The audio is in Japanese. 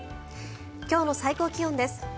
今日の最高気温です。